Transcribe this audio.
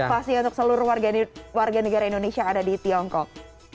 pasti untuk seluruh warga negara indonesia ada di tiongkok